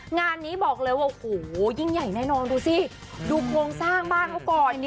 งานนี้บอกเลยว่าโอ้โหยิ่งใหญ่แน่นอนดูสิดูโครงสร้างบ้านเขาก่อน